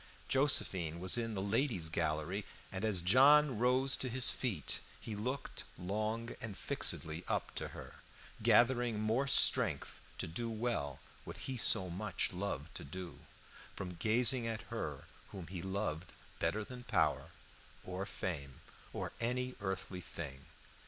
Josephine was in the ladies' gallery, and as John rose to his feet he looked long and fixedly up to her, gathering more strength to do well what he so much loved to do, from gazing at her whom he loved better than power, or fame, or any earthly thing.